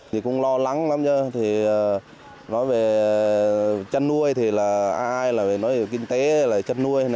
thì cũng lo lắng lắm chứ nói về chân nuôi thì ai là nói về kinh tế là chân nuôi